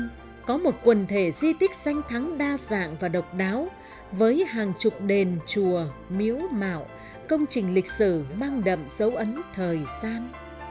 sơn có một quần thể di tích danh thắng đa dạng và độc đáo với hàng chục đền chùa miễu mạo công trình lịch sử mang đậm dấu ấn thời gian